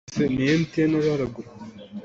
Ka hreitlung in thing a cek.